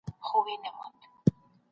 په خطرناکو لارو کي سوداګري څنګه ممکنه وه؟